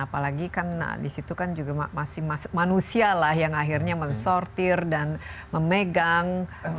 apalagi karena di situ kan juga masih manusia lah yang akhirnya men sortir dan memegang